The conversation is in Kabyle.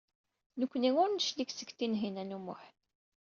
Nekkni ur d-neclig seg Tinhinan u Muḥ.